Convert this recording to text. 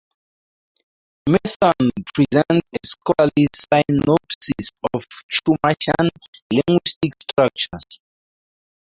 Mithun presents a scholarly synopsis of Chumashan linguistic structures.